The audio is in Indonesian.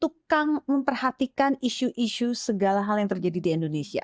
tukang memperhatikan isu isu segala hal yang terjadi di indonesia